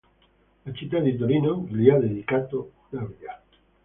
La città di Torino gli ha dedicato una via.